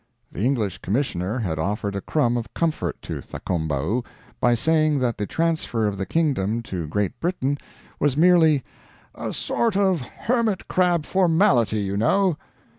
The English Commissioner had offered a crumb of comfort to Thakombau by saying that the transfer of the kingdom to Great Britain was merely "a sort of hermit crab formality, you know."